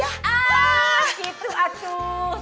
jadi ah gitu atuh